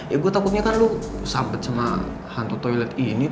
ya gue takutnya kan lu sampet sama hantu toilet ini